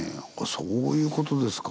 そういうことですか。